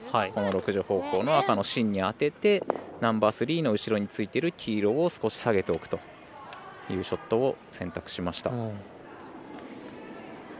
６時方向の赤の芯に当ててナンバースリーの後ろについてる黄色を少し下げておくというショットを選択しました。